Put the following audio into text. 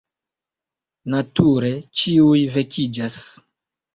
Nature, ĉiuj vekiĝas.